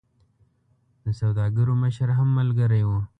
د سوداګرو مشر هم ملګری وو.